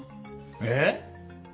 えっ！？